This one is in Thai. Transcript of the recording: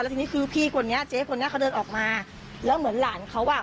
ทีนี้คือพี่คนนี้เจ๊คนนี้เขาเดินออกมาแล้วเหมือนหลานเขาอ่ะ